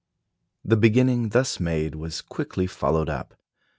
The beginning thus made was quickly followed up.